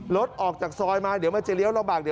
รถออกจากซอยมาเดี๋ยวมันจะเลี้ยวระบาก